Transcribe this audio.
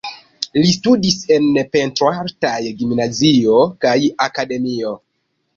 Li studis en pentroartaj gimnazio kaj akademio.